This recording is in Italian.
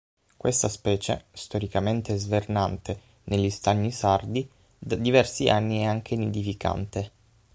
Questa specie, storicamente svernante negli stagni sardi, da diversi anni è anche nidificante.